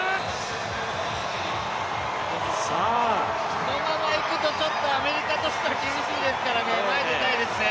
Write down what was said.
このままいくとアメリカとしては厳しいですから前に出たいですね。